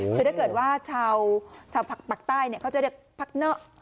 คือถ้าเกิดว่าชาวปากใต้เขาจะเรียกพักเนอะ